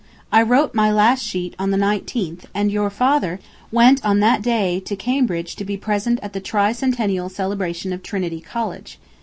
I wrote my last sheet on the 19th and your father went on that day to Cambridge to be present at the tri centennial celebration of Trinity College